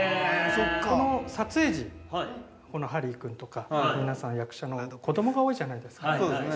◆この撮影時、このハリー君とか皆さん、役者の方、子供が多いじゃないですか。